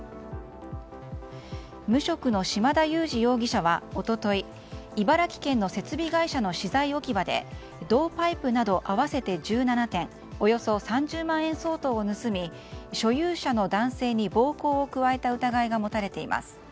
無職の島田裕治容疑者は一昨日茨城県の設備会社の資材置き場で銅パイプなど合わせて１７点およそ３０万円相当を盗み所有者の男性に暴行を加えた疑いが持たれています。